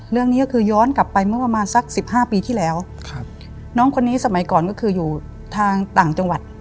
เรื่องนี้ก็คือย้อนกลับไปเมื่อประมาณสักสิบห้าปีที่แล้วครับน้องคนนี้สมัยก่อนก็คืออยู่ทางต่างจังหวัด